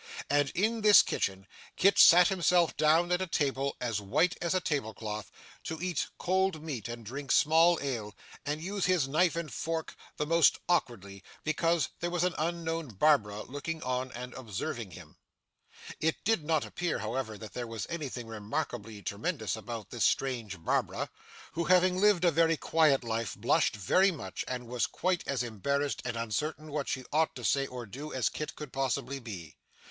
And in this kitchen, Kit sat himself down at a table as white as a tablecloth, to eat cold meat, and drink small ale, and use his knife and fork the more awkwardly, because there was an unknown Barbara looking on and observing him. It did not appear, however, that there was anything remarkably tremendous about this strange Barbara, who having lived a very quiet life, blushed very much and was quite as embarrassed and uncertain what she ought to say or do, as Kit could possibly be.